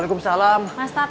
aku mau ke rumah